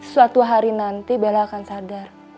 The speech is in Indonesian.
suatu hari nanti bella akan sadar